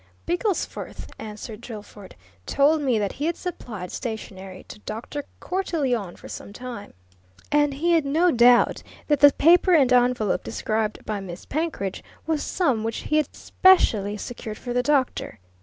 "Bigglesforth," answered Drillford, "told me that he'd supplied stationery to Dr. Cortelyon for some time, and he'd no doubt that the paper and envelope described by Miss Penkridge was some which he'd specially secured for the Doctor.